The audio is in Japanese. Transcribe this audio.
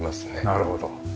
なるほど。